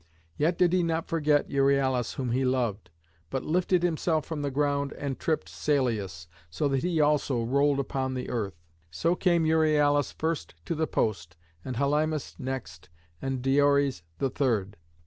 Yet did he not forget Euryalus whom he loved, but lifted himself from the ground and tripped Salius, so that he also rolled upon the earth. So came Euryalus first to the post, and Helymus next, and Diores the third.